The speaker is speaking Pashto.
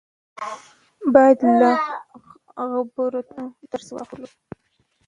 باید له عبرتونو درس واخلو.